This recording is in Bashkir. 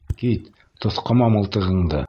Кит, тоҫҡама мылтығыңды!